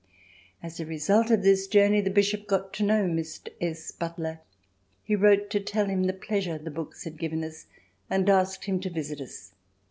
As a result of this journey the Bishop got to know Mr. S. Butler. He wrote to tell him the pleasure his books had given us and asked him to visit us.